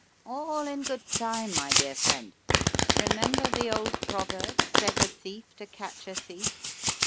"All in good time, my dear friend, remember the old proverb 'set a thief to catch a thief'!